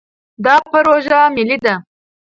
دا پروژه ملي ده.